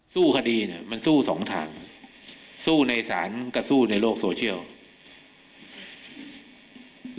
สู้คดีเนี่ยมันสู้สองทางสู้ในสารกระสู้ในโลกโซเชียล